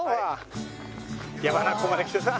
山中湖まで来てさ